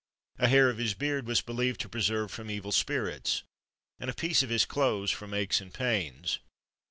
A hair of his beard was believed to preserve from evil spirits, and a piece of his clothes from aches and pains.